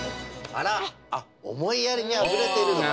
あら思いやりにあふれているとこ？